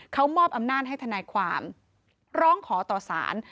เขามอบอำนาจให้ทนายความร้องขอต่อสาร